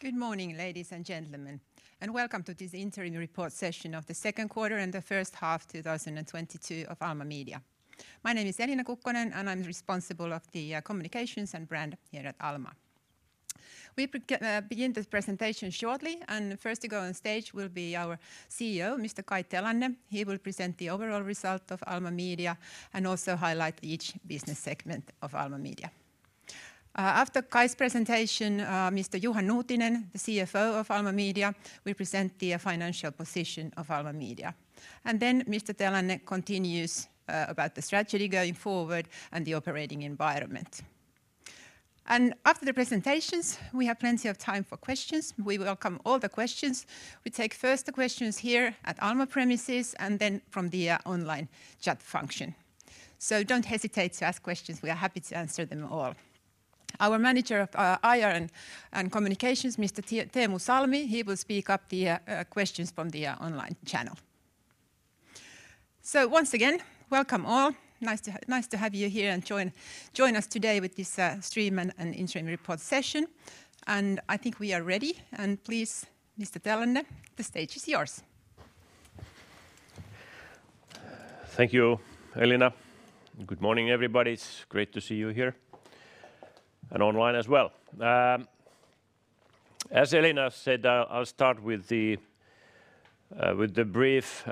Good morning, ladies and gentlemen, and welcome to this interim report session of the second quarter and the first half, 2022 of Alma Media. My name is Elina Kukkonen, and I'm responsible for the communications and brand here at Alma. We begin this presentation shortly, and first to go on stage will be our CEO, Mr. Kai Telanne. He will present the overall result of Alma Media and also highlight each business segment of Alma Media. After Kai's presentation, Mr. Juha Nuutinen, the CFO of Alma Media, will present the financial position of Alma Media. Then Mr. Telanne continues about the strategy going forward and the operating environment. After the presentations, we have plenty of time for questions. We welcome all the questions. We take first the questions here at Alma premises and then from the online chat function. Don't hesitate to ask questions. We are happy to answer them all. Our manager of IR and communications, Mr. Teemu Salmi, he will pick up the questions from the online channel. Once again, welcome all. Nice to have you here and join us today with this stream and interim report session. I think we are ready. Please, Mr. Telanne, the stage is yours. Thank you, Elina. Good morning, everybody. It's great to see you here and online as well. As Elina said, I'll start with the brief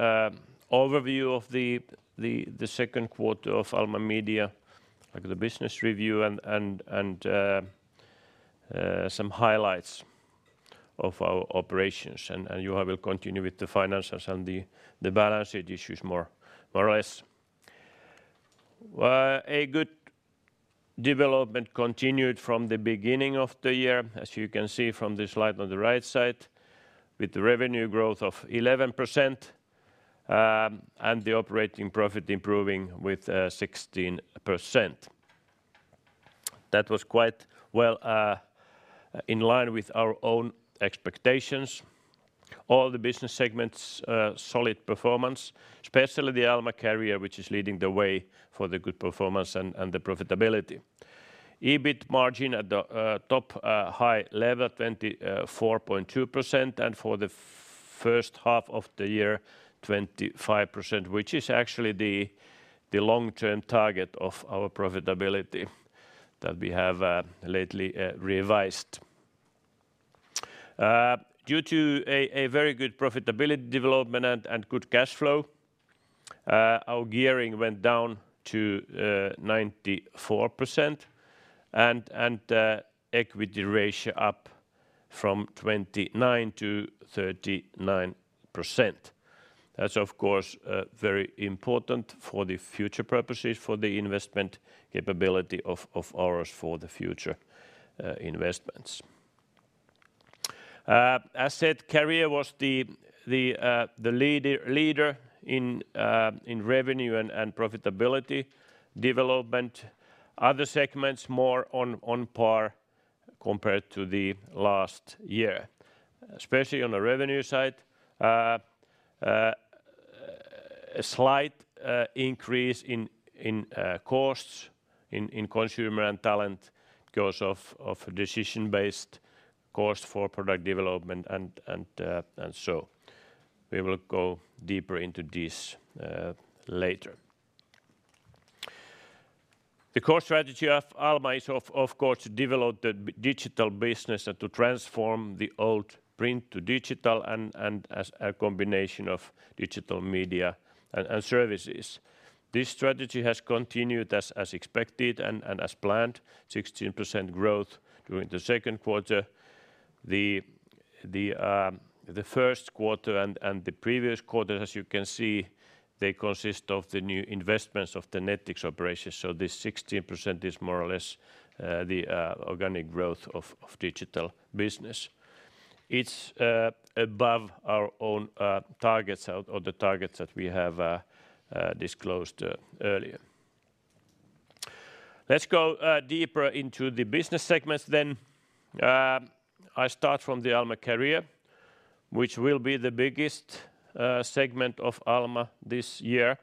overview of the second quarter of Alma Media, like the business review and some highlights of our operations. Juha will continue with the financials and the balance sheet issues more or less. A good development continued from the beginning of the year, as you can see from the slide on the right side, with revenue growth of 11%, and the operating profit improving with 16%. That was quite well in line with our own expectations. All the business segments, solid performance, especially the Alma Career, which is leading the way for the good performance and the profitability. EBIT margin at the top high level, 24.2%, and for the first half of the year, 25%, which is actually the long-term target of our profitability that we have lately revised. Due to a very good profitability development and good cash flow, our gearing went down to 94% and equity ratio up from 29%-39%. That's of course very important for the future purposes for the investment capability of ours for the future investments. As said, Career was the leader in revenue and profitability development. Other segments more on par compared to the last year, especially on the revenue side. A slight increase in costs in consumer and talent because of decision-based cost for product development and so. We will go deeper into this later. The core strategy of Alma is of course develop the digital business and to transform the old print to digital and as a combination of digital media and services. This strategy has continued as expected and as planned, 16% growth during the second quarter. The first quarter and the previous quarter, as you can see, they consist of the new investments of the Nettix operations. This 16% is more or less the organic growth of digital business. It's above our own targets or the targets that we have disclosed earlier. Let's go deeper into the business segments then. I start from the Alma Career, which will be the biggest segment of Alma this year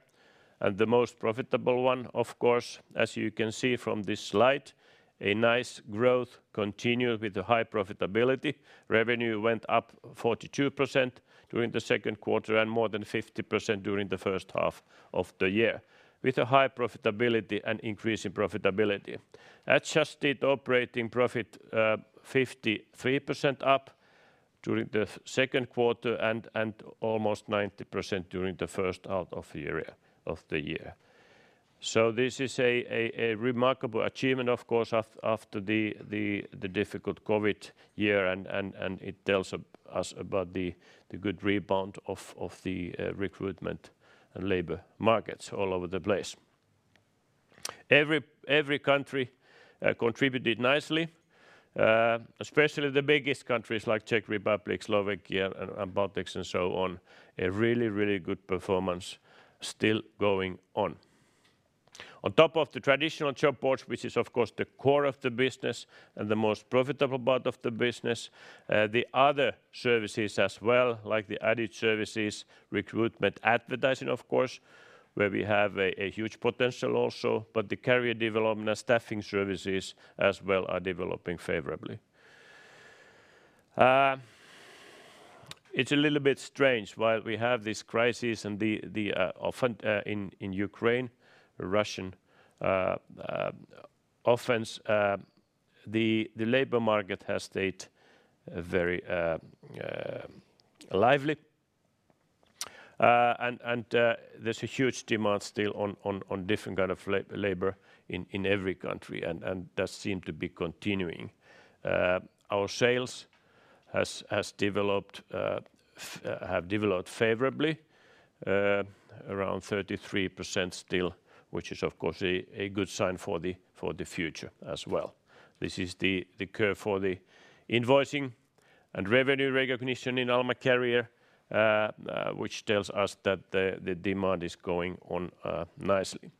and the most profitable one, of course. As you can see from this slide, a nice growth continued with the high profitability. Revenue went up 42% during the second quarter and more than 50% during the first half of the year with a high profitability and increasing profitability. Adjusted operating profit 53% up during the second quarter and almost 90% during the first half of the year. This is a remarkable achievement, of course, after the difficult COVID year and it tells us about the good rebound of the recruitment and labor markets all over the place. Every country contributed nicely, especially the biggest countries like Czech Republic, Slovakia, and Baltics and so on. A really good performance still going on. On top of the traditional job boards, which is of course the core of the business and the most profitable part of the business, the other services as well, like the added services, recruitment advertising of course, where we have a huge potential also, but the career development and staffing services as well are developing favorably. It's a little bit strange while we have this crisis and the offensive in Ukraine, Russian offense, the labor market has stayed very lively. There's a huge demand still on different kind of labor in every country and that seem to be continuing. Our sales have developed favorably around 33% still, which is of course a good sign for the future as well. This is the curve for the invoicing and revenue recognition in Alma Career, which tells us that the demand is going on nicely.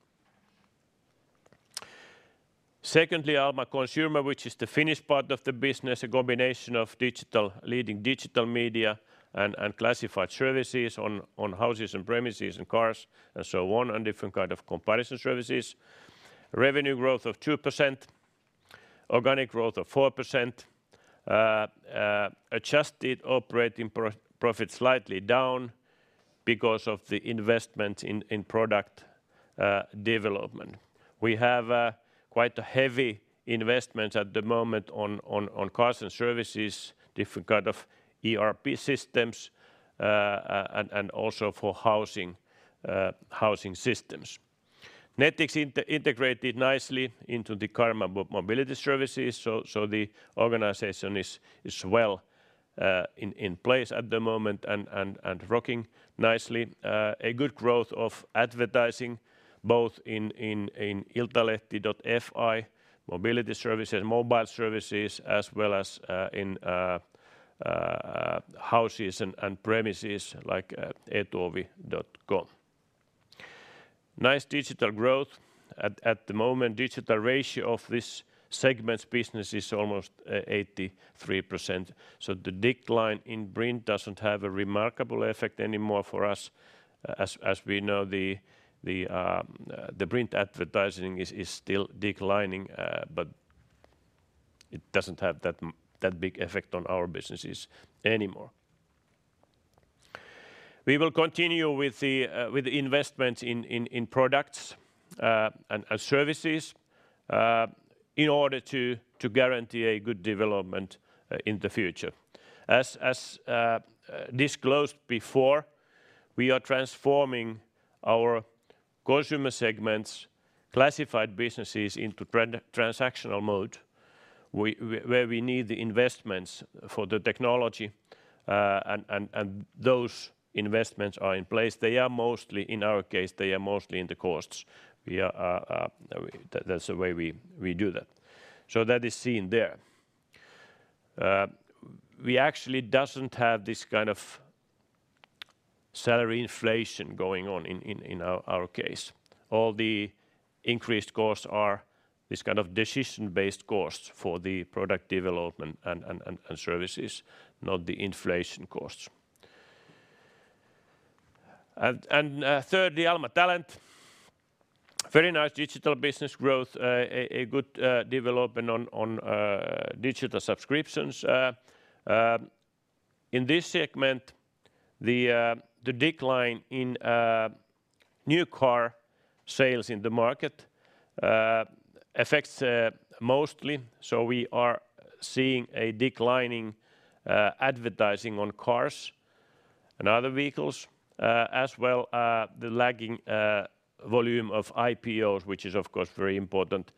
Secondly, Alma Consumer, which is the Finnish part of the business, a combination of digital leading digital media and classified services on houses and premises and cars and so on, and different kind of comparison services. Revenue growth of 2%, organic growth of 4%. Adjusted operating profit slightly down because of the investment in product development. We have quite a heavy investment at the moment on cars and services, different kind of ERP systems, and also for housing systems. Nettix integrated nicely into the Alma mobility services, so the organization is well in place at the moment and rocking nicely. A good growth of advertising both in Iltalehti.fi mobility services, mobile services as well as in houses and premises like Etuovi.com. Nice digital growth at the moment. Digital ratio of this segment's business is almost 83%. The decline in print doesn't have a remarkable effect anymore for us. As we know, the print advertising is still declining, but it doesn't have that big effect on our businesses anymore. We will continue with the investment in products and services in order to guarantee a good development in the future. As disclosed before, we are transforming our consumer segment's classified businesses into transactional mode where we need the investments for the technology and those investments are in place. They are mostly, in our case, they are mostly in the costs. That's the way we do that. So that is seen there. We actually doesn't have this kind of salary inflation going on in our case. All the increased costs are this kind of decision-based costs for the product development and services, not the inflation costs. Thirdly, Alma Talent. Very nice digital business growth, a good development on digital subscriptions. In this segment, the decline in new car sales in the market affects mostly, so we are seeing a declining advertising on cars and other vehicles, as well, the lagging volume of IPOs, which is of course very important,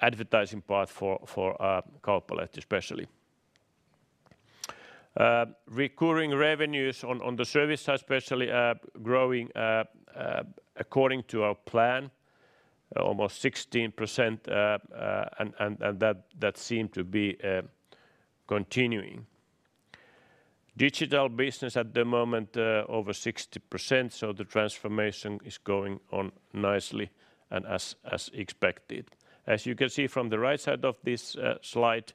advertising part for Kauppalehti especially. Recurring revenues on the service side especially are growing according to our plan, almost 16%, and that seem to be continuing. Digital business at the moment over 60%, so the transformation is going on nicely and as expected. As you can see from the right side of this slide,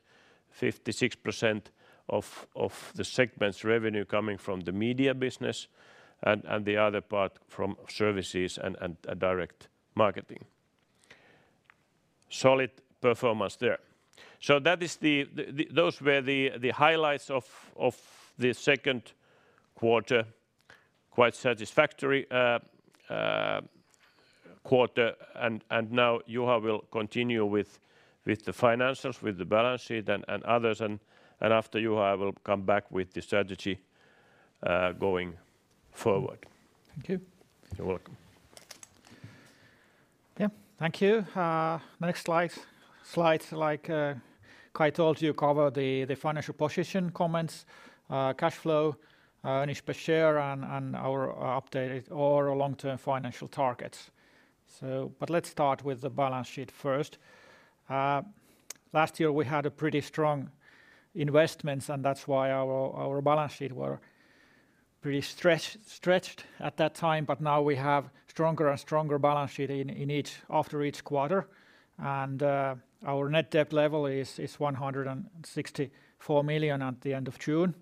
56% of the segment's revenue coming from the media business and the other part from services and direct marketing. Solid performance there. Those were the highlights of the second quarter. Quite satisfactory quarter and now Juha will continue with the financials, with the balance sheet and others and after Juha I will come back with the strategy going forward. Thank you. You're welcome. Yeah. Thank you. The next slide, like Kai told you, covers the financial position comments, cash flow, earnings per share and our updated overall long-term financial targets. But let's start with the balance sheet first. Last year we had pretty strong investments, and that's why our balance sheet was pretty stretched at that time, but now we have stronger and stronger balance sheet after each quarter. Our net debt level is 164 million at the end of June.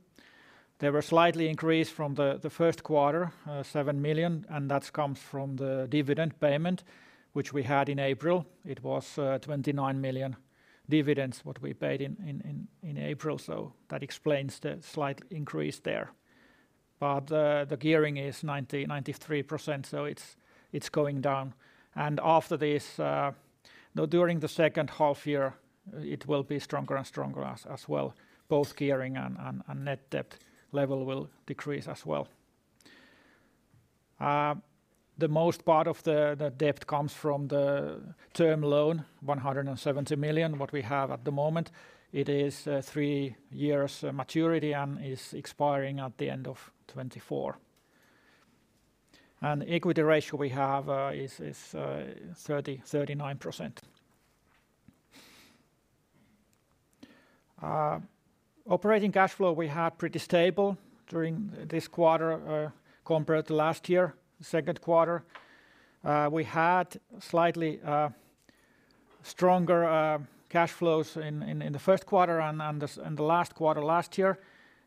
It was slightly increased from the first quarter, 7 million, and that comes from the dividend payment which we had in April. It was 29 million dividends what we paid in April, so that explains the slight increase there. The gearing is 90%-93%, so it's going down. During the second half year, it will be stronger and stronger as well, both gearing and net debt level will decrease as well. The most part of the debt comes from the term loan, 170 million, what we have at the moment. It is three years maturity and is expiring at the end of 2024. Equity ratio we have is 39%. Operating cash flow we have pretty stable during this quarter, compared to last year, second quarter. We had slightly stronger cash flows in the first quarter and the last quarter last year.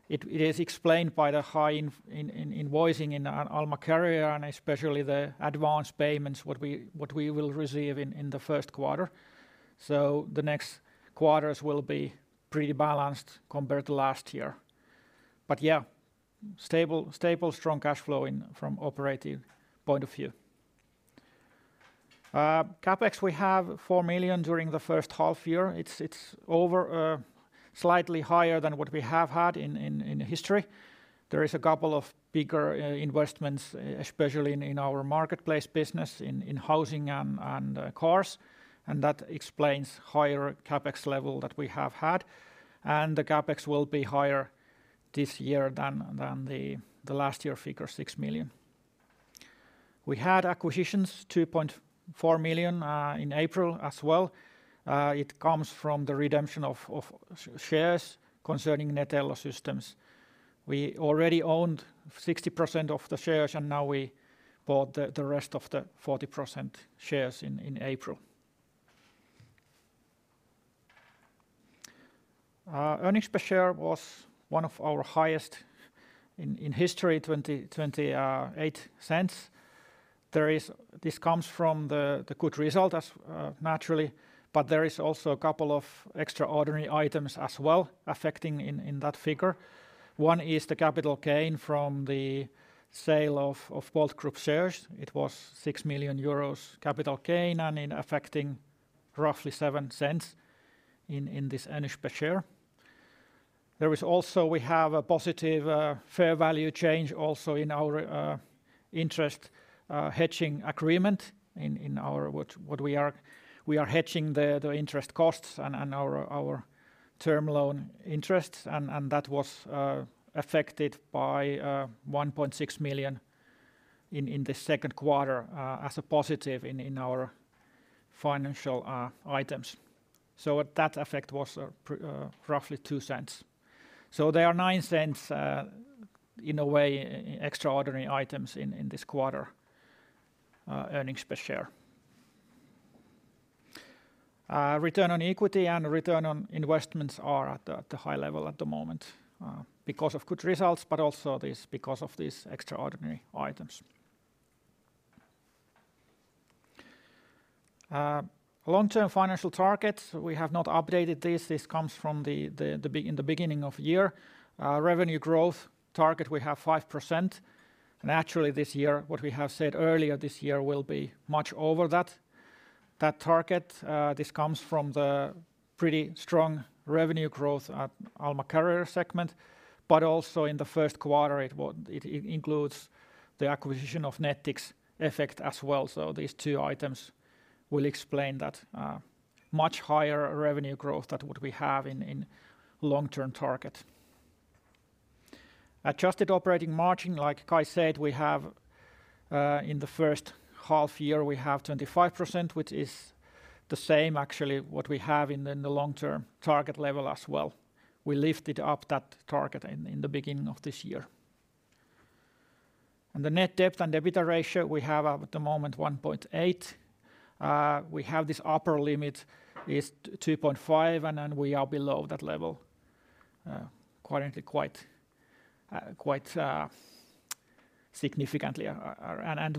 It is explained by the high invoicing in Alma Career and especially the advance payments what we will receive in the first quarter. The next quarters will be pretty balanced compared to last year. Yeah, stable strong cash flow from operating point of view. CapEx, we have 4 million during the first half year. It's slightly higher than what we have had in history. There is a couple of bigger investments, especially in our marketplace business in housing and cars, and that explains higher CapEx level that we have had. The CapEx will be higher this year than the last year figure, 6 million. We had acquisitions, 2.4 million, in April as well. It comes from the redemption of shares concerning Netello Systems. We already owned 60% of the shares, and now we bought the rest of the 40% shares in April. Earnings per share was one of our highest in history, 0.28. This comes from the good result naturally, but there is also a couple of extraordinary items as well affecting that figure. One is the capital gain from the sale of Bolt Group shares. It was 6 million euros capital gain and affecting roughly 0.07 in this earnings per share. There is also we have a positive fair value change also in our interest hedging agreement in what we are hedging the interest costs and our term loan interest and that was affected by 1.6 million in the second quarter as a positive in our financial items. That effect was roughly 0.02. There are 0.09 in a way extraordinary items in this quarter earnings per share. Return on equity and return on investments are at the high level at the moment because of good results, but also this because of these extraordinary items. Long-term financial targets, we have not updated this. This comes from the beginning of the year. Revenue growth target, we have 5%. Naturally, this year, what we have said earlier this year will be much over that target. This comes from the pretty strong revenue growth at Alma Career segment, but also in the first quarter it includes the acquisition of Nettix effect as well. These two items will explain that much higher revenue growth than what we have in long-term target. Adjusted operating margin, like Kai said, we have in the first half year 25%, which is the same actually what we have in the long-term target level as well. We lifted up that target in the beginning of this year. The net debt and EBITDA ratio we have at the moment 1.8. We have this upper limit is 2.5, and then we are below that level, currently quite significantly and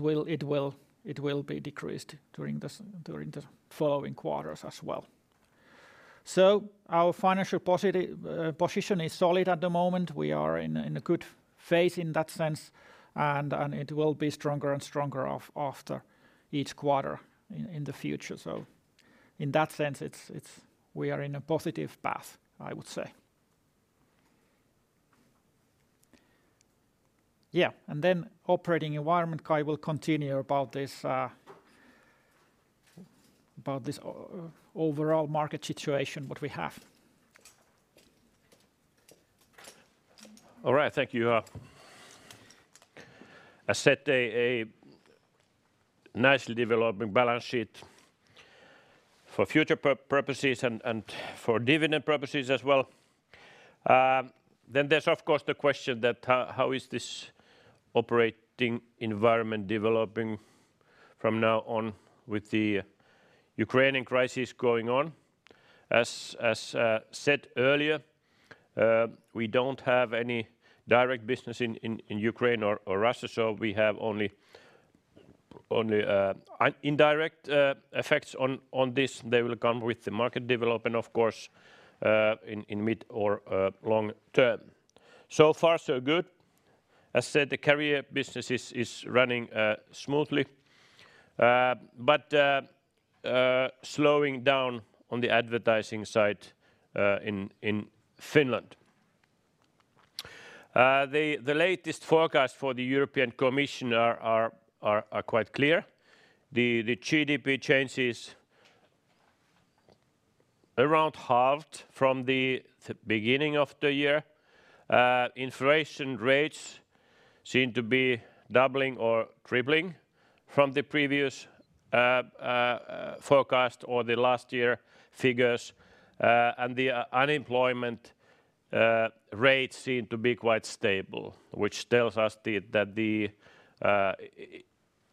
it will be decreased during the following quarters as well. Our financial position is solid at the moment. We are in a good phase in that sense, and it will be stronger and stronger after each quarter in the future. In that sense, we are in a positive path, I would say. Yeah, and then operating environment, Kai will continue about this overall market situation, what we have. All right, thank you, [a set], a nicely developing balance sheet for future purposes and for dividend purposes as well. There's of course the question that how is this operating environment developing from now on with the Ukrainian crisis going on? As said earlier, we don't have any direct business in Ukraine or Russia, so we have only indirect effects on this. They will come with the market development of course, in mid or long term. So far so good. I said the Career business is running smoothly but slowing down on the advertising side in Finland. The latest forecast for the European Commission are quite clear. GDP change is around halved from the beginning of the year. Inflation rates seem to be doubling or tripling from the previous forecast or the last year figures. Unemployment rates seem to be quite stable, which tells us that the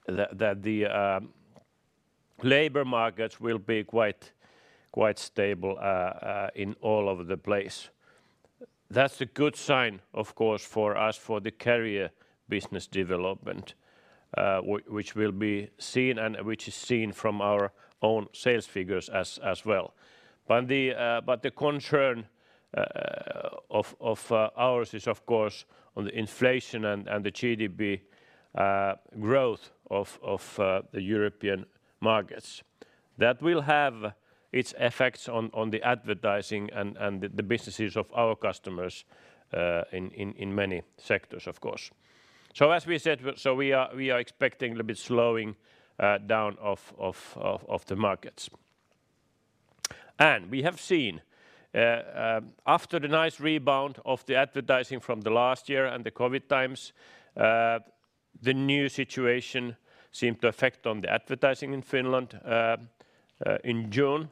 labor markets will be quite stable all over the place. That's a good sign, of course, for us for the Career business development, which will be seen and which is seen from our own sales figures as well. The concern of ours is of course on the inflation and the GDP growth of the European markets. That will have its effects on the advertising and the businesses of our customers in many sectors, of course. We are expecting a little bit slowing down of the markets. We have seen after the nice rebound of the advertising from the last year and the COVID times, the new situation seemed to affect on the advertising in Finland in June.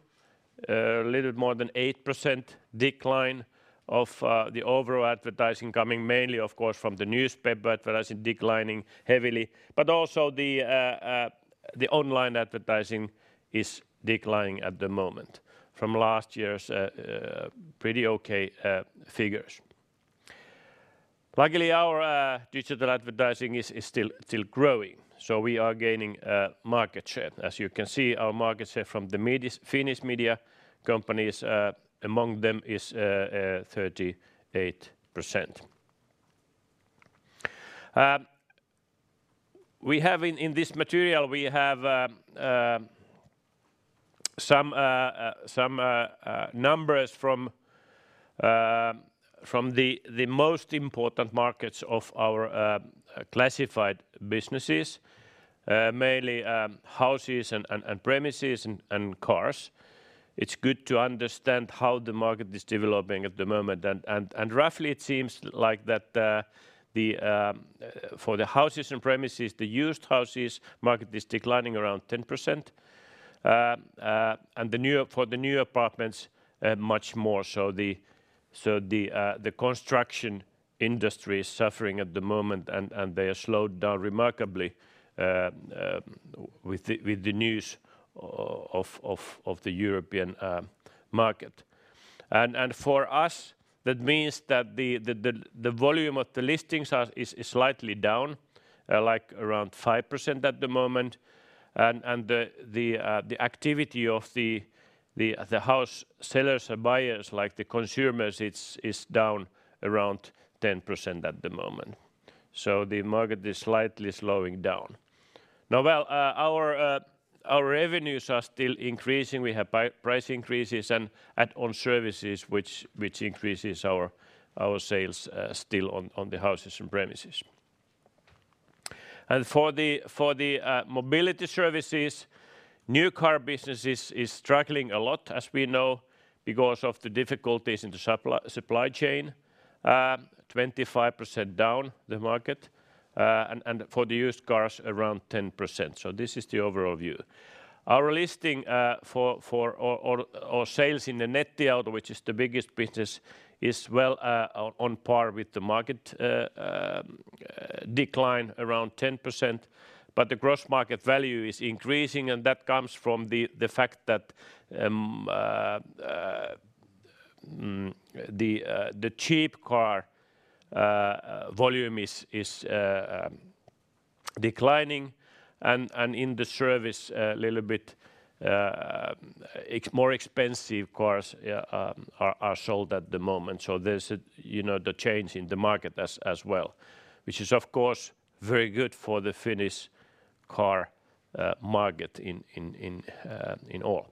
A little more than 8% decline of the overall advertising coming mainly, of course, from the newspaper advertising declining heavily, but also the online advertising is declining at the moment from last year's pretty okay figures. Luckily, our digital advertising is still growing, so we are gaining market share. As you can see, our market share from the media, Finnish media companies among them is 38%. In this material, we have some numbers from the most important markets of our classified businesses, mainly houses and premises and cars. It's good to understand how the market is developing at the moment and roughly it seems like that for the houses and premises, the used houses market is declining around 10%. For the new apartments, much more. The construction industry is suffering at the moment and they are slowed down remarkably with the news of the European market. For us, that means that the volume of the listings is slightly down, like around 5% at the moment. The activity of the house sellers and buyers, like the consumers, is down around 10% at the moment. The market is slightly slowing down. Our revenues are still increasing. We have price increases and add-on services which increases our sales still on the houses and premises. For the mobility services, new car business is struggling a lot, as we know, because of the difficulties in the supply chain. 25% down the market, and for the used cars around 10%. This is the overall view. Our listing for sales in the Nettiauto, which is the biggest business, is, well, on par with the market decline around 10%, but the gross market value is increasing, and that comes from the fact that the cheap car volume is declining and in the service a little bit, it's more expensive cars are sold at the moment. So there's a, you know, the change in the market as well, which is of course very good for the Finnish car market in all.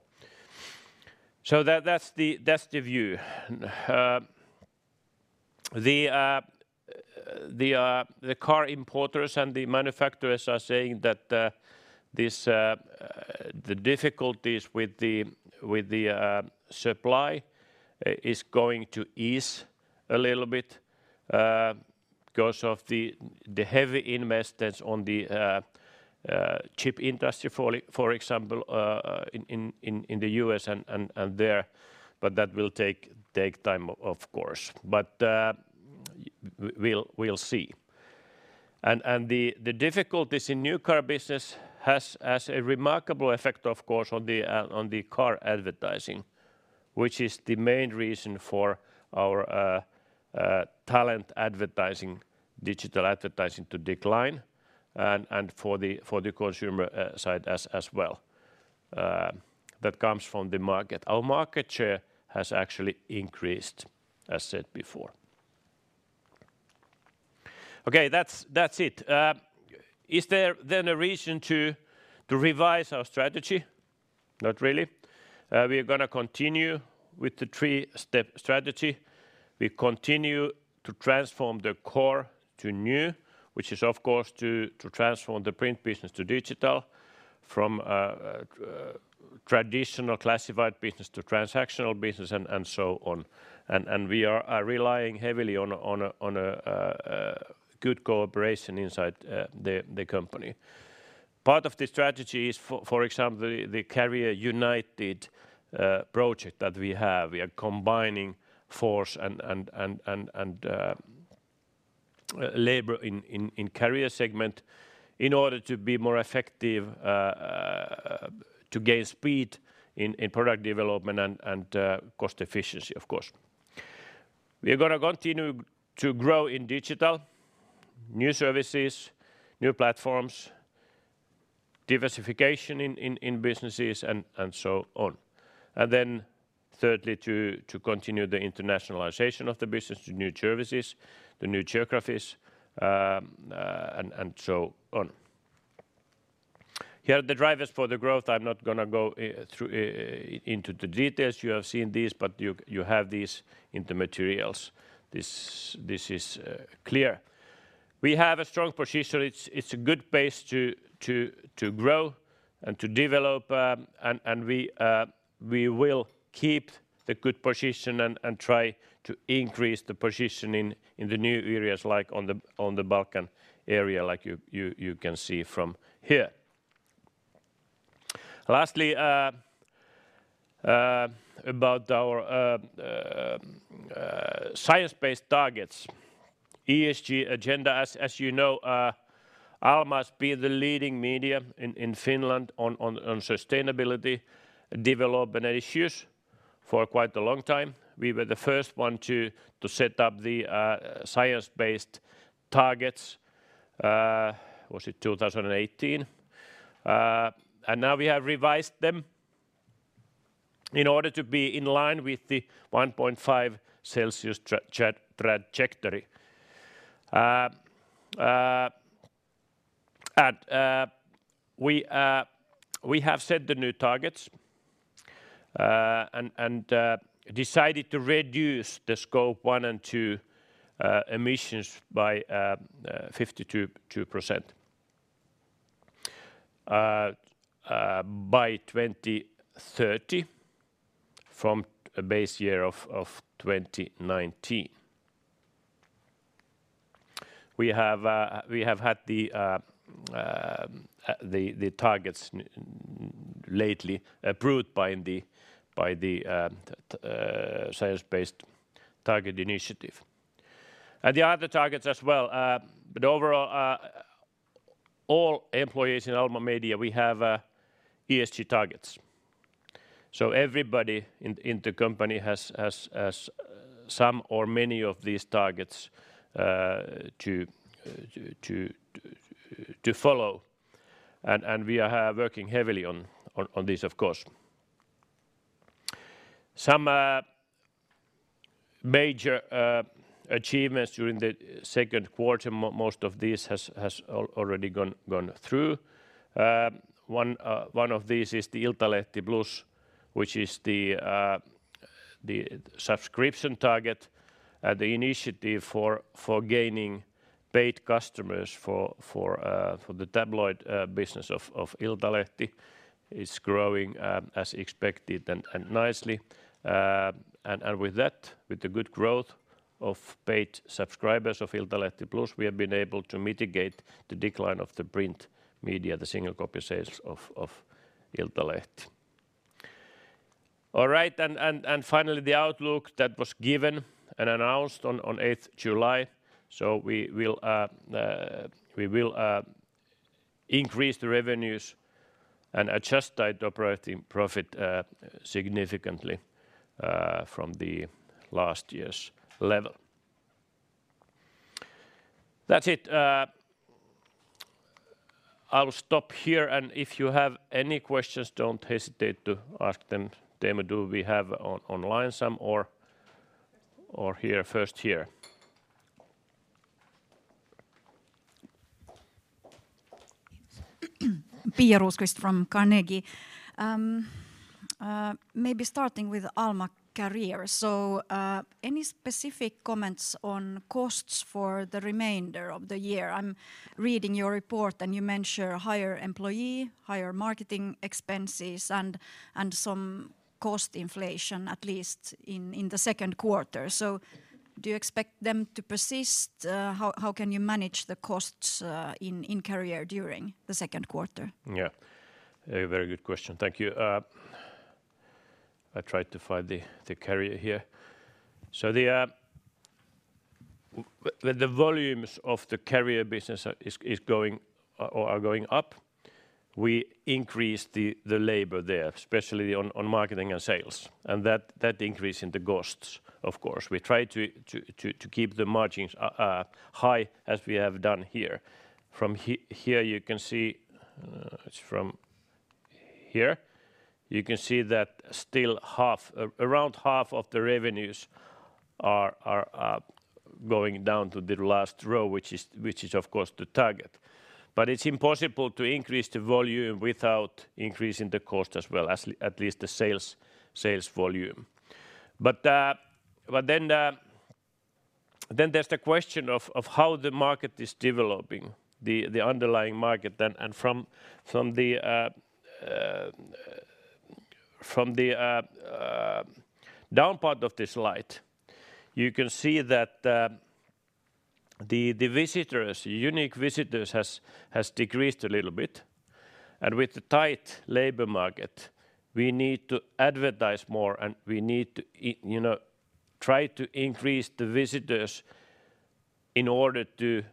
So that's the view. The car importers and the manufacturers are saying that the difficulties with the supply is going to ease a little bit because of the heavy investments in the chip industry, for example, in the U.S. and there, but that will take time of course. We'll see. The difficulties in new car business has a remarkable effect of course on the car advertising. Which is the main reason for our Alma Talent digital advertising to decline and for the Alma Consumer side as well that comes from the market. Our market share has actually increased, as said before. Okay, that's it. Is there then a reason to revise our strategy? Not really. We're gonna continue with the three-step strategy. We continue to transform the core to new, which is of course to transform the print business to digital from traditional classified business to transactional business and so on. We are relying heavily on a good cooperation inside the company. Part of the strategy is for example, the Career United project that we have. We are combining force and labor in Career segment in order to be more effective, to gain speed in product development and cost efficiency, of course. We're gonna continue to grow in digital, new services, new platforms, diversification in businesses and so on. Thirdly, to continue the internationalization of the business to new services, the new geographies, and so on. Here are the drivers for the growth. I'm not gonna go into the details. You have seen these, but you have these in the materials. This is clear. We have a strong position. It's a good base to grow and to develop, and we will keep the good position and try to increase the position in the new areas like on the Balkan area like you can see from here. Lastly, about our Science-Based Targets, ESG agenda, as you know, Alma's been the leading media in Finland on sustainability development issues for quite a long time. We were the first one to set up the science-based targets, was it 2018? Now we have revised them in order to be in line with the 1.5 Celsius trajectory. We have set the new targets and decided to reduce the Scope 1 and 2 emissions by 52% by 2030 from a base year of 2019. We have had the targets lately approved by the Science Based Targets initiative. There are other targets as well. Overall, all employees in Alma Media, we have ESG targets. Everybody in the company has some or many of these targets to follow. We are working heavily on this of course. Some major achievements during the second quarter most of these has already gone through. One of these is the Iltalehti Plus, which is the subscription target. The initiative for gaining paid customers for the tabloid business of Iltalehti is growing as expected and nicely. With that, with the good growth of paid subscribers of Iltalehti Plus we have been able to mitigate the decline of the print media, the single copy sales of Iltalehti. All right. Finally the outlook that was given and announced on 8th July. We will increase the revenues and adjust the operating profit significantly from the last year's level. That's it. I will stop here and if you have any questions don't hesitate to ask them. Teemu, do we have online some or here first here? Pia Rosqvist-Heinsalmi from Carnegie. Maybe starting with Alma Career. Any specific comments on costs for the remainder of the year? I'm reading your report and you mention higher employee, higher marketing expenses and some cost inflation, at least in the second quarter. Do you expect them to persist? How can you manage the costs in Career during the second quarter? Yeah. A very good question. Thank you. I tried to find the Career here. When the volumes of the Career business are going up, we increase the labor there, especially on marketing and sales. That increase in the costs, of course. We try to keep the margins high as we have done here. From here you can see. It's from here. You can see that still half, around half of the revenues are going down to the last row, which is, of course, the target. It's impossible to increase the volume without increasing the cost as well as at least the sales volume. There's the question of how the market is developing the underlying market then and from the down part of this slide, you can see that the visitors, unique visitors has decreased a little bit. With the tight labor market, we need to advertise more, and we need to you know, try to increase the visitors in order to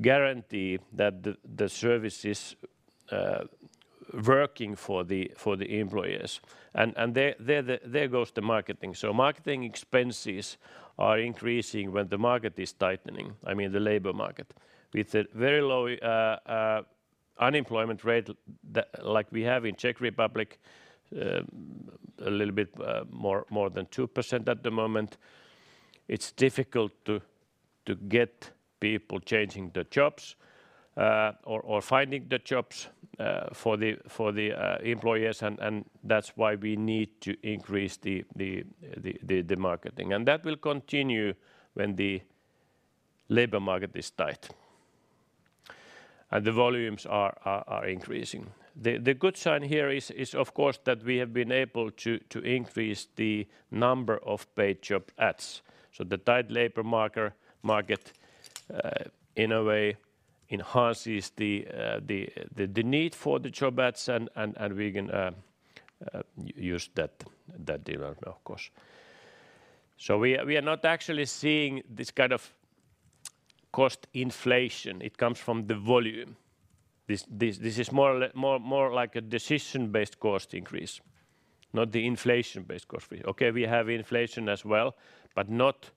guarantee that the service is working for the employers. There goes the marketing. Marketing expenses are increasing when the market is tightening, I mean, the labor market. With a very low unemployment rate that like we have in Czech Republic, a little bit more than 2% at the moment, it's difficult to get people changing the jobs, or finding the jobs, for the employers and that's why we need to increase the marketing. That will continue when the labor market is tight and the volumes are increasing. The good sign here is of course that we have been able to increase the number of paid job ads. The tight labor market in a way enhances the need for the job ads and we can use that development of course. We are not actually seeing this kind of cost inflation. It comes from the volume. This is more like a decision-based cost increase, not the inflation-based cost increase. Okay, we have inflation as well, but not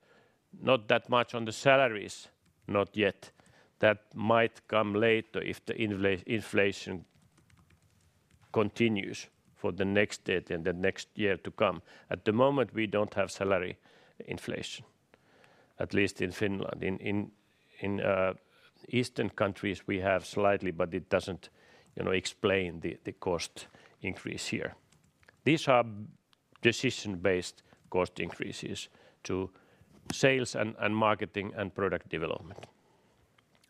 that much on the salaries, not yet. That might come later if the inflation continues for the next day and the next year to come. At the moment, we don't have salary inflation, at least in Finland. In eastern countries we have slightly, but it doesn't, you know, explain the cost increase here. These are decision-based cost increases to sales and marketing and product development.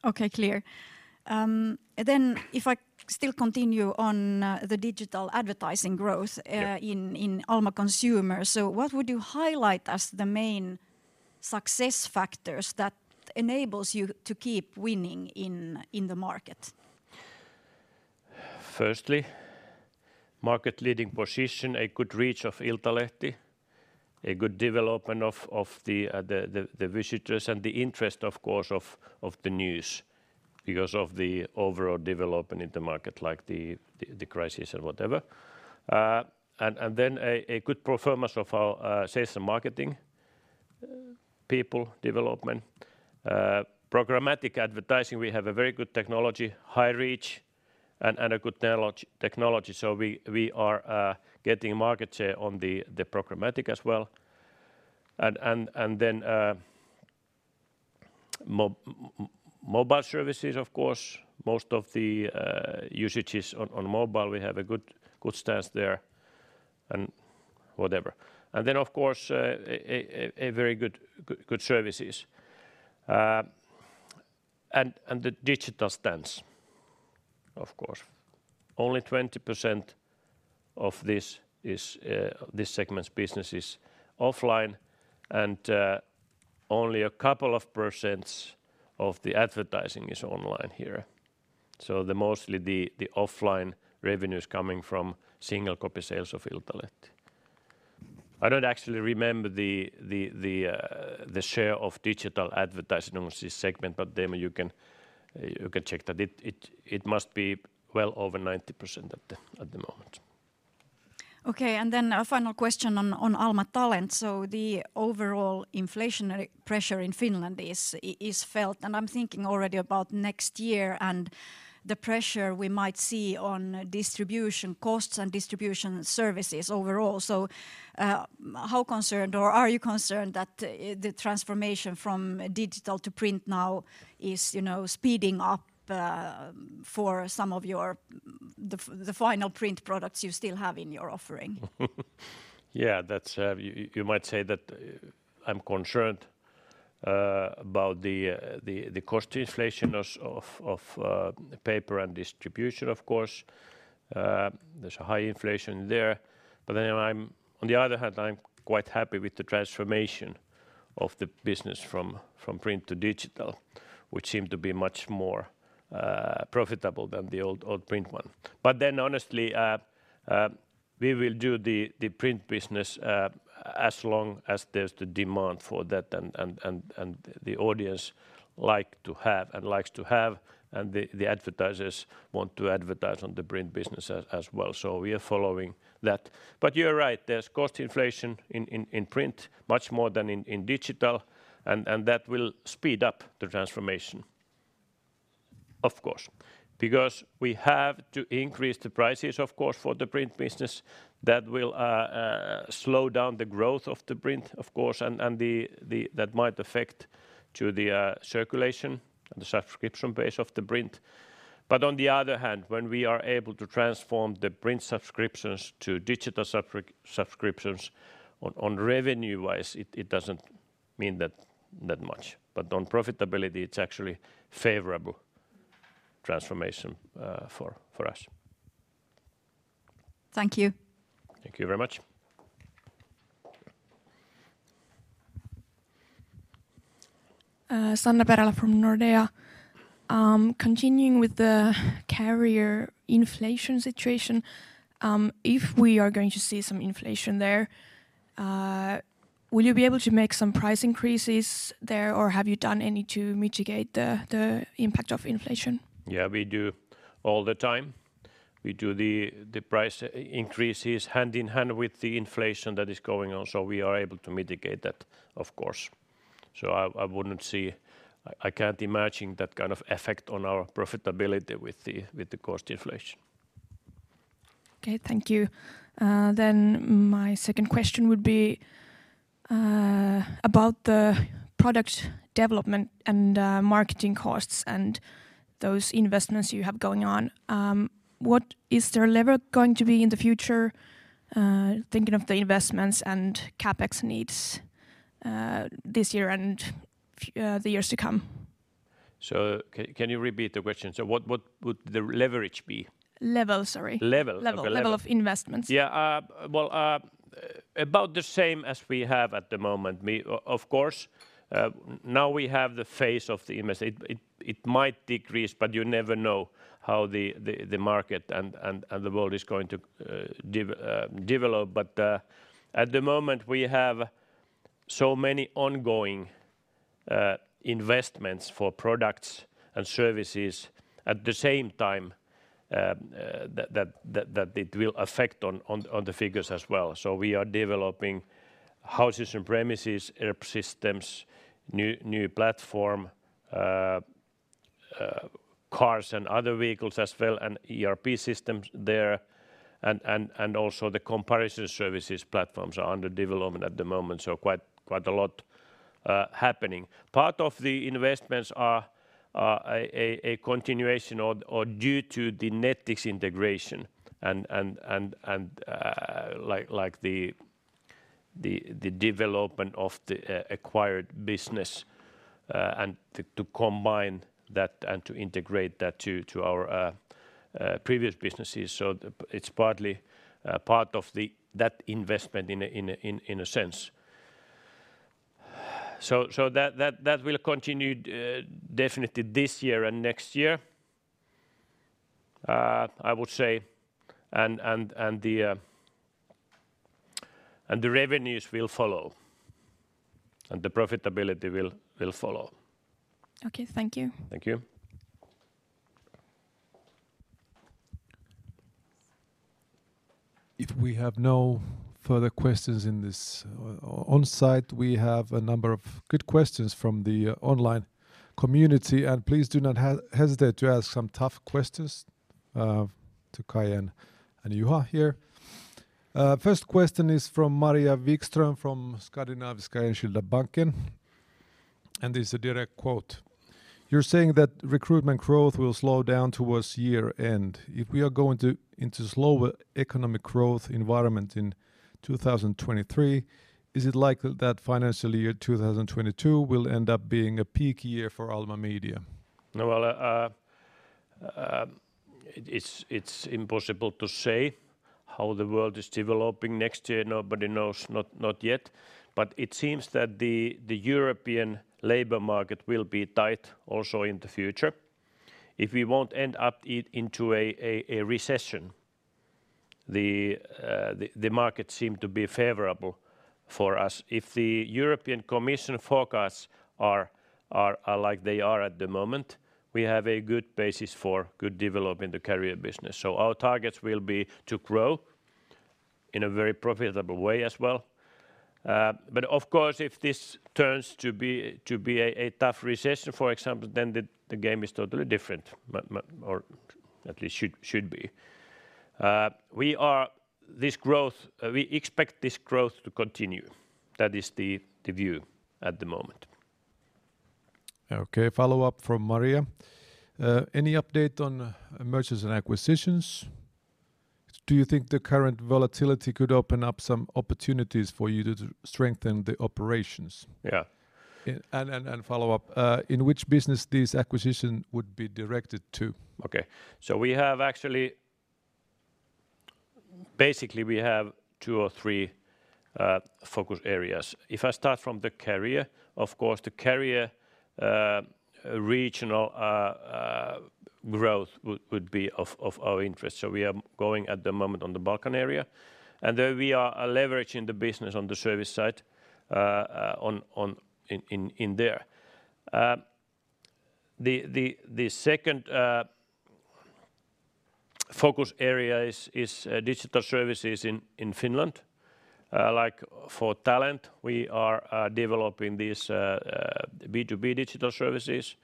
Okay, clear. If I still continue on, the digital advertising growth in Alma Consumer. What would you highlight as the main success factors that enables you to keep winning in the market? Firstly, market-leading position, a good reach of Iltalehti, a good development of the visitors and the interest, of course, of the news because of the overall development in the market like the crisis or whatever. Then a good performance of our sales and marketing people development. Programmatic advertising, we have a very good technology, high reach and a good technology. We are getting market share on the programmatic as well. Mobile services of course. Most of the usages on mobile we have a good stance there and whatever. Very good services. The digital stance of course. Only 20% of this segment's business is offline and only a couple of percents of the advertising is online here. Mostly the offline revenue is coming from single copy sales of Iltalehti. I don't actually remember the share of digital advertising on this segment, but then you can check that it must be well over 90% at the moment. Okay, a final question on Alma Talent. The overall inflationary pressure in Finland is felt and I'm thinking already about next year and the pressure we might see on distribution costs and distribution services overall. How concerned are you that the transformation from digital to print now is, you know, speeding up for some of the final print products you still have in your offering? Yeah, that's you might say that I'm concerned about the cost inflation of paper and distribution of course. There's a high inflation there. I'm quite happy with the transformation of the business from print to digital, which seem to be much more profitable than the old print one. Honestly, we will do the print business as long as there's the demand for that and the audience like to have and likes to have and the advertisers want to advertise on the print business as well. We are following that. You're right, there's cost inflation in print much more than in digital and that will speed up the transformation of course because we have to increase the prices of course for the print business that will slow down the growth of the print of course and that might affect to the circulation and the subscription base of the print. On the other hand, when we are able to transform the print subscriptions to digital subscriptions on revenue-wise it doesn't mean that much. On profitability it's actually favorable transformation for us. Thank you. Thank you very much. Sanna Perälä from Nordea. Continuing with the career inflation situation, if we are going to see some inflation there, will you be able to make some price increases there or have you done any to mitigate the impact of inflation? Yeah, we do all the time. We do the price increases hand in hand with the inflation that is going on, so we are able to mitigate that of course. I wouldn't see. I can't imagine that kind of effect on our profitability with the cost inflation. Okay, thank you. My second question would be about the product development and marketing costs and those investments you have going on. What is their level going to be in the future? Thinking of the investments and CapEx needs, this year and the years to come. Can you repeat the question? What would the leverage be? Level. The level. Level of investments. Yeah. Well, about the same as we have at the moment. We, of course, now have the phase of the investments. It might decrease but you never know how the market and the world is going to develop. At the moment we have so many ongoing investments for products and services at the same time that it will affect on the figures as well. We are developing housing and business premises, ERP systems, new platform, cars and other vehicles as well and ERP systems there and also the comparison services platforms are under development at the moment. Quite a lot happening. Part of the investments are a continuation or due to the Nettix integration and like the development of the acquired business, and to combine that and to integrate that to our previous businesses. It's partly a part of that investment in a sense. That will continue definitely this year and next year, I would say and the revenues will follow and the profitability will follow. Okay. Thank you. Thank you. If we have no further questions in this on site, we have a number of good questions from the online community and please do not hesitate to ask some tough questions to Kai and Juha here. First question is from Maria Wikström from Skandinaviska Enskilda Banken and this is a direct quote: "You're saying that recruitment growth will slow down towards year end. If we are going into slower economic growth environment in 2023, is it likely that financial year 2022 will end up being a peak year for Alma Media? No, well, it's impossible to say how the world is developing next year. Nobody knows, not yet. It seems that the European labor market will be tight also in the future. If we won't end up into a recession, the market seem to be favorable for us. If the European Commission forecasts are like they are at the moment, we have a good basis for good development to Career business. Our targets will be to grow in a very profitable way as well. But of course, if this turns to be a tough recession for example then the game is totally different but. Or at least should be. We expect this growth to continue. That is the view at the moment. Okay. Follow up from Maria. Any update on mergers and acquisitions? Do you think the current volatility could open up some opportunities for you to strengthen the operations? Yeah. Follow up, in which business this acquisition would be directed to? We have actually basically two or three focus areas. If I start from the Career, of course, the Career regional growth would be of our interest. We are going at the moment in the Balkan area, and there we are leveraging the business on the service side in there. The second focus area is digital services in Finland. Like for Talent, we are developing these B2B digital services,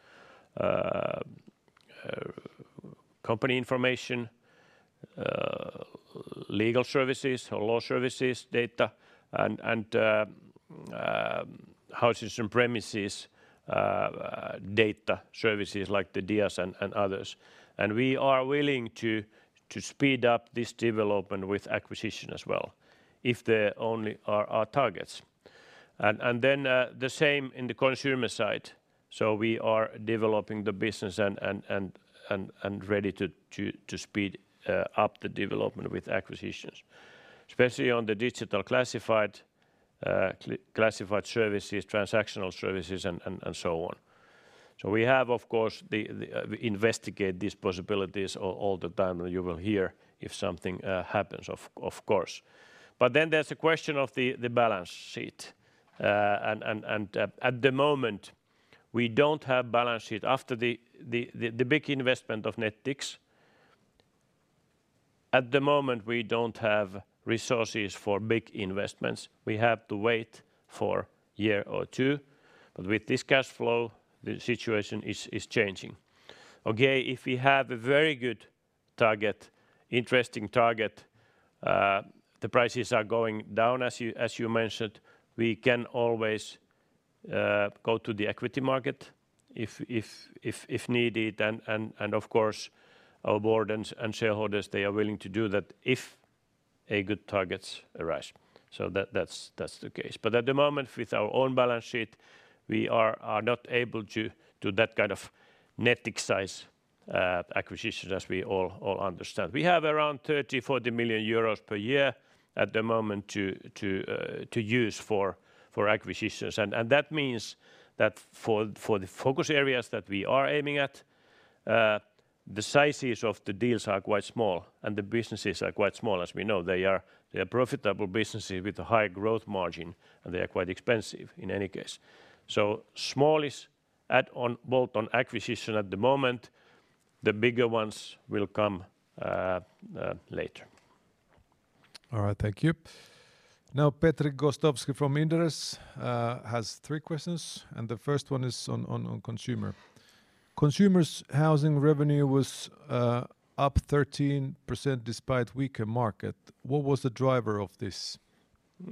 company information, legal services or law services data, and houses and premises data services like the DIAS and others. We are willing to speed up this development with acquisition as well, if they only are our targets. The same in the consumer side. We are developing the business and ready to speed up the development with acquisitions, especially on the digital classified services, transactional services and so on. We have, of course, to investigate these possibilities all the time, and you will hear if something happens, of course. There's the question of the balance sheet. At the moment, we don't have balance sheet. After the big investment of Nettix, at the moment we don't have resources for big investments. We have to wait for year or two, but with this cash flow, the situation is changing. Okay, if we have a very good target, interesting target, the prices are going down as you mentioned, we can always go to the equity market if needed and of course our board and shareholders, they are willing to do that if a good targets arise. That's the case. At the moment with our own balance sheet, we are not able to do that kind of Nettix size acquisition as we all understand. We have around 30-40 million euros per year at the moment to use for acquisitions and that means that for the focus areas that we are aiming at, the sizes of the deals are quite small and the businesses are quite small as we know. They are profitable businesses with a high gross margin and they are quite expensive in any case. Small is at on both an acquisition at the moment, the bigger ones will come later. All right. Thank you. Now, Petri Gostowski from Inderes has three questions, and the first one is on consumer. Consumer's housing revenue was up 13% despite weaker market. What was the driver of this?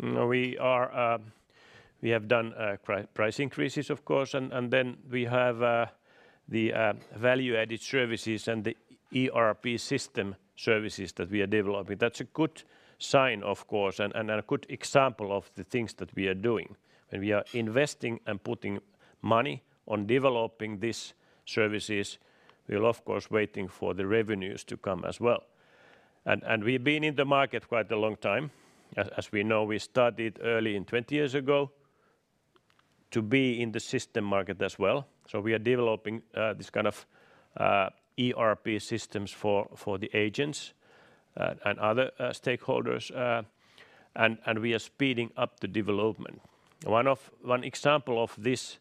We have done price increases of course, and then we have the value-added services and the ERP system services that we are developing. That's a good sign of course and a good example of the things that we are doing. When we are investing and putting money on developing these services, we're of course waiting for the revenues to come as well. We've been in the market quite a long time. As we know, we started early, 20 years ago to be in the system market as well. We are developing this kind of ERP systems for the agents and other stakeholders, and we are speeding up the development. One example of this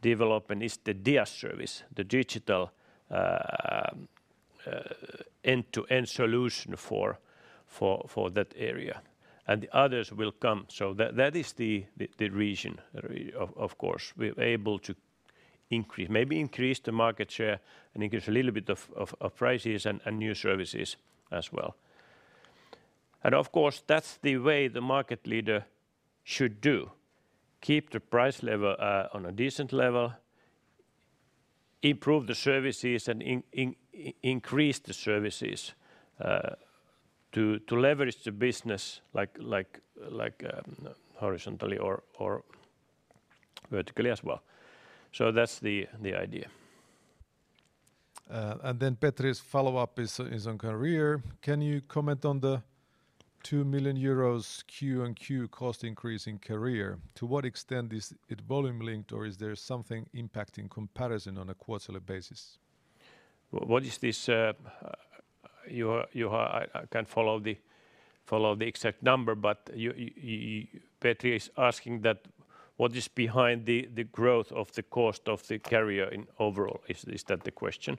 development is the DIAS service, the digital end-to-end solution for that area, and the others will come. That is the region of course we're able to increase, maybe increase the market share and increase a little bit of prices and new services as well. Of course, that's the way the market leader should do. Keep the price level on a decent level, improve the services and increase the services to leverage the business like horizontally or vertically as well. That's the idea. Petri's follow-up is on career. Can you comment on the 2 million euros quarter-over-quarter cost increase in career? To what extent is it volume linked or is there something impacting comparison on a quarterly basis? What is this, Juha? I can't follow the exact number, but Petri is asking that what is behind the growth of the cost of the Career in overall? Is that the question?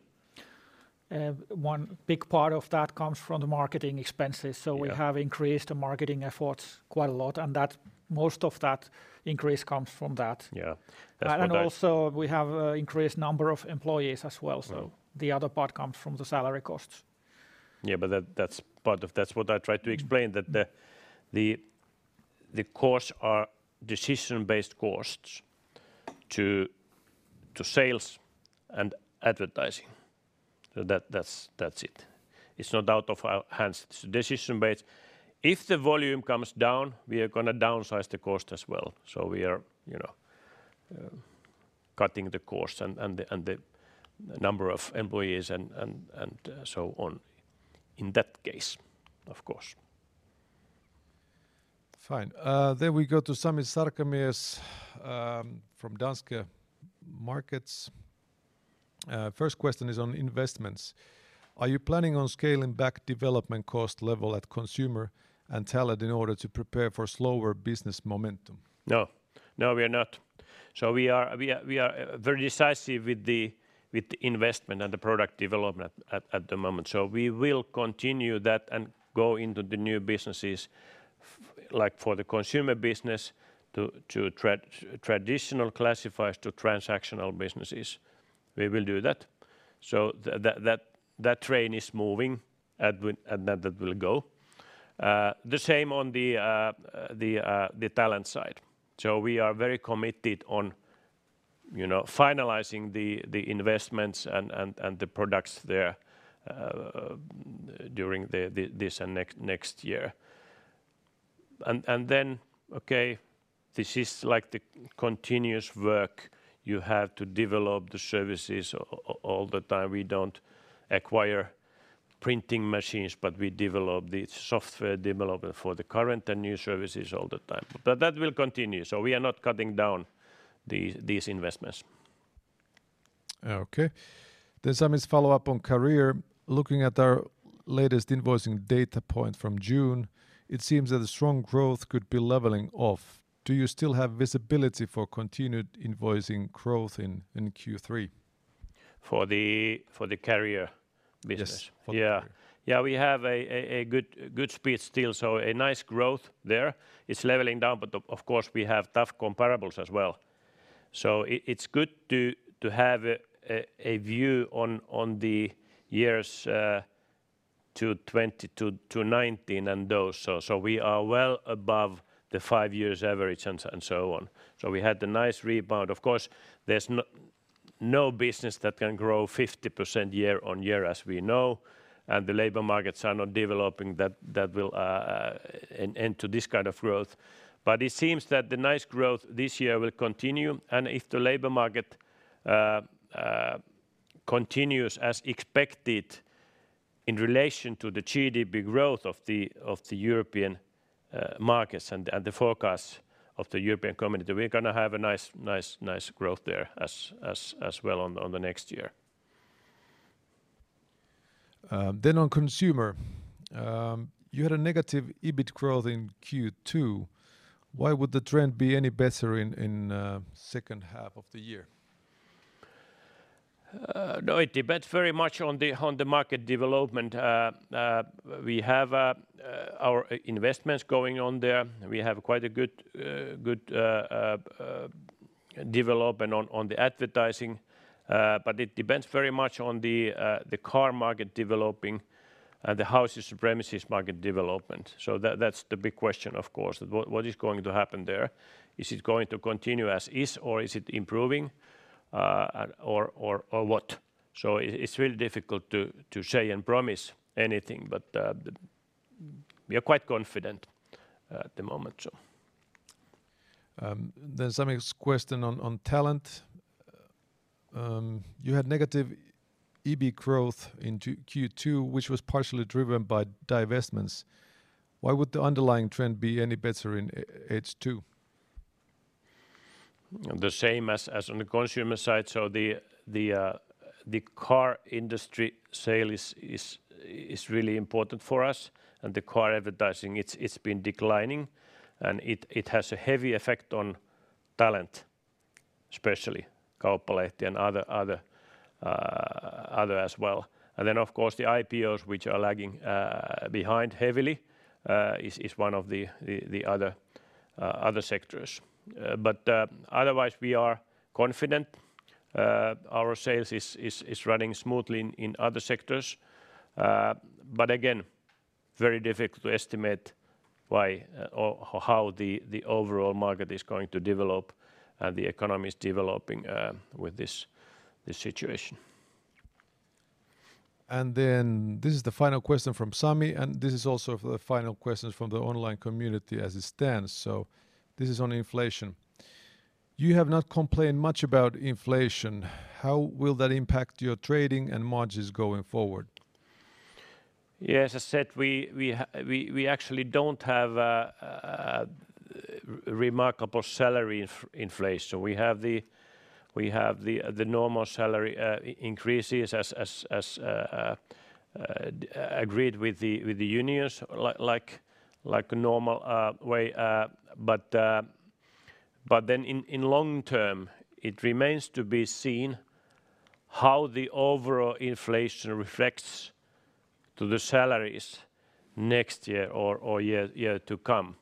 One big part of that comes from the marketing expenses. Yeah. We have increased the marketing efforts quite a lot, and that, most of that increase comes from that. Yeah. That's what I Also we have increased number of employees as well. Mm-hmm The other part comes from the salary costs. That's what I tried to explain. Mm-hmm That the costs are decision-based costs to sales and advertising. That's it. It's not out of our hands. It's decision-based. If the volume comes down, we are gonna downsize the cost as well. We are, you know, cutting the cost and the number of employees and so on in that case, of course. Fine. We go to Sami Sarkamies from Danske Bank. First question is on investments. Are you planning on scaling back development cost level at Consumer and Talent in order to prepare for slower business momentum? No. No, we are not. We are very decisive with the investment and the product development at the moment. We will continue that and go into the new businesses like for the consumer business to traditional classifieds to transactional businesses. We will do that. That train is moving and that will go. The same on the talent side. We are very committed on, you know, finalizing the investments and the products there during this and next year. Then, okay, this is like the continuous work you have to develop the services all the time. We don't acquire printing machines, but we develop the software development for the current and new services all the time. That will continue, so we are not cutting down these investments. Okay. Sami's follow-up on Career. Looking at our latest invoicing data point from June, it seems that the strong growth could be leveling off. Do you still have visibility for continued invoicing growth in Q3? For the Career business? Yes, for the Career. Yeah. Yeah, we have a good speed still, so a nice growth there. It's leveling down, but of course, we have tough comparables as well. It's good to have a view on the years to 2020 to 2019 and those. We are well above the five-year average and so on. We had a nice rebound. Of course, there's no business that can grow 50% year-on-year as we know, and the labor markets are not developing that will end to this kind of growth. It seems that the nice growth this year will continue, and if the labor market continues as expected in relation to the GDP growth of the European markets and the forecast of the European Commission, we're gonna have a nice growth there as well on the next year. On Consumer, you had a negative EBIT growth in Q2. Why would the trend be any better in the second half of the year? No, it depends very much on the market development. We have our investments going on there. We have quite a good development on the advertising, but it depends very much on the car market developing and the housing premises market development. That’s the big question of course. What is going to happen there? Is it going to continue as is, or is it improving, or what? It’s really difficult to say and promise anything but we are quite confident at the moment. Sami's question on talent. You had negative EBIT growth in Q2, which was partially driven by divestments. Why would the underlying trend be any better in H2? The same as on the consumer side. The car industry sale is really important for us, and the car advertising, it's been declining, and it has a heavy effect on Talent, especially Kauppalehti and other as well. Of course the IPOs which are lagging behind heavily is one of the other sectors. Otherwise we are confident our sales is running smoothly in other sectors. Again, very difficult to estimate why or how the overall market is going to develop and the economy is developing with this situation. This is the final question from Sami, and this is also for the final questions from the online community as it stands. This is on inflation. You have not complained much about inflation. How will that impact your trading and margins going forward? Yes, as I said, we actually don't have remarkable salary inflation. We have the normal salary increases as agreed with the unions like a normal way. Then in long term, it remains to be seen how the overall inflation reflects to the salaries next year or year to come.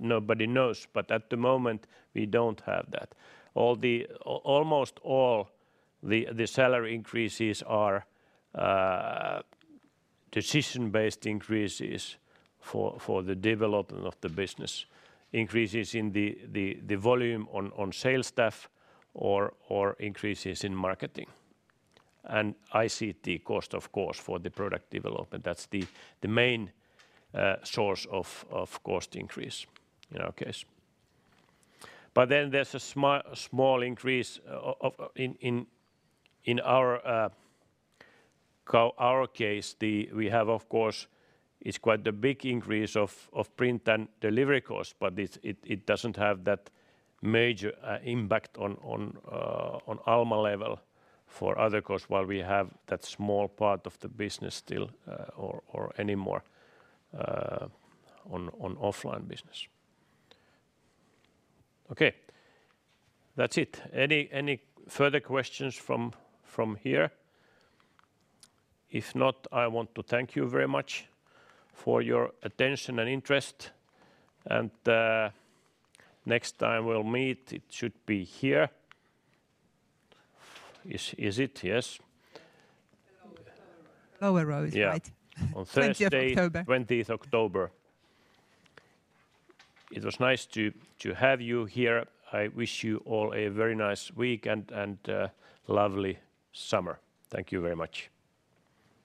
Nobody knows. At the moment, we don't have that. Almost all the salary increases are decision-based increases for the development of the business, increases in the volume on sales staff or increases in marketing. ICT cost of course for the product development. That's the main source of cost increase in our case. There's a small increase in our case. We have of course it's quite a big increase of print and delivery cost, but it doesn't have that major impact on Alma level for other cost while we have that small part of the business still or anymore on offline business. Okay. That's it. Any further questions from here? If not, I want to thank you very much for your attention and interest. Next time we'll meet, it should be here. Is it? Yes. Lower row is right. Yeah. 20th October. On Thursday, 20th October. It was nice to have you here. I wish you all a very nice week and lovely summer. Thank you very much.